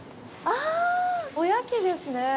あぁ、おやきですね。